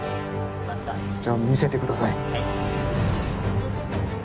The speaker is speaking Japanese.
じゃあ見せてください。